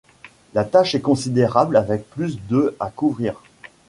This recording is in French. La tâche est considérable avec plus de à couvrir.